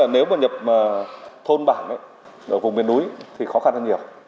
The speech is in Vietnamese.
nếu mà nhập thôn bản ở vùng miền núi thì khó khăn hơn nhiều